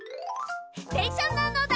でんしゃなのだ！